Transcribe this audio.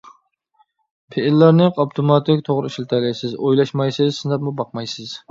پېئىللارنى ئاپتوماتىك توغرا ئىشلىتەلەيسىز. ئويلاشمايسىز، سىناپمۇ باقمايسىز.